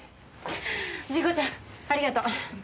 仁子ちゃんありがとう。